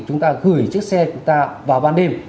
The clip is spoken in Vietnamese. chúng ta gửi chiếc xe của ta vào ban đêm